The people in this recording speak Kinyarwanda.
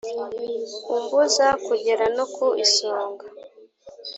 umbuza kugera no ku isonga